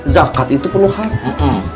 zakat itu perlu harta